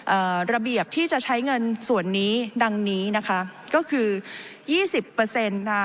ระเบียบที่จะใช้เงินส่วนนี้ดังนี้นะคะก็คือยี่สิบเปอร์เซ็นต์นะคะ